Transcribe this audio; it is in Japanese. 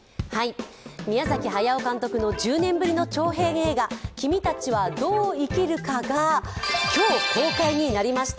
宮崎駿監督の１０年ぶりの長編映画「君たちはどう生きるか」が今日、公開になりました。